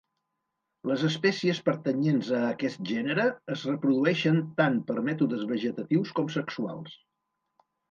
Les espècies pertanyents a aquest gènere es reprodueixen tant per mètodes vegetatius com sexuals.